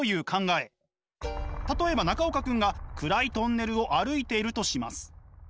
例えば中岡君が暗いトンネルを歩いているとします。